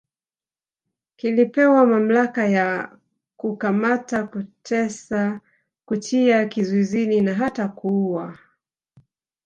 Kilipewa mamlaka ya kukamata kutesa kutia kizuizini na hata kuuwa